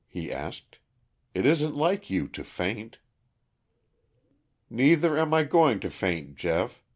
he asked. "It isn't like you to faint." "Neither am I going to faint, Geoff.